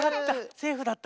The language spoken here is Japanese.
セーフだった？